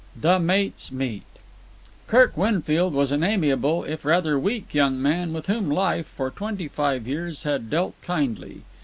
The Mates Meet Kirk Winfield was an amiable, if rather weak, young man with whom life, for twenty five years, had dealt kindly.